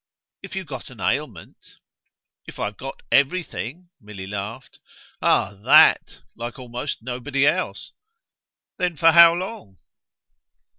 "If you've got an ailment?" "If I've got everything," Milly laughed. "Ah THAT like almost nobody else." "Then for how long?"